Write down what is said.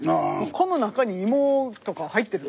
この中に芋とか入ってる？